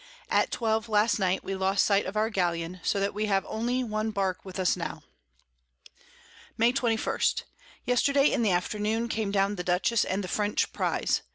At 12 last Night we lost sight of our Galleon; so that we have only one Bark with us now. May 21. Yesterday in the Afternoon came down the Dutchess and the French Prize.